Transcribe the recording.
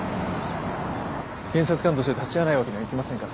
検察官として立ち会わないわけにはいきませんから。